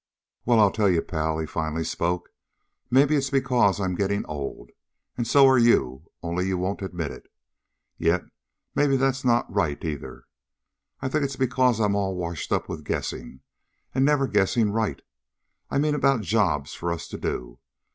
"Well, I'll tell you, pal," he finally spoke. "Maybe it's because I'm getting old. And so are you, only you won't admit it. Yet maybe that's not right, either. I think it's because I'm all washed up with guessing, and never guessing right. I mean about jobs for us to do.